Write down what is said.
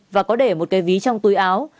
và có để một cây ví trong túi áo